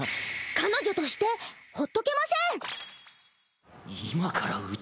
彼女としてほっとけません！